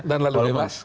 dan lalu bebas